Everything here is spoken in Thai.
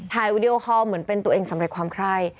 วิดีโอคอลเหมือนเป็นตัวเองสำเร็จความไคร่